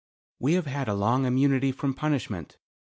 We have had a long immunity from punishment.